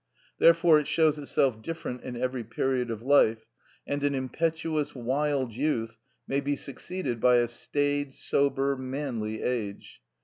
Therefore it shows itself different at every period of life, and an impetuous, wild youth may be succeeded by a staid, sober, manly age.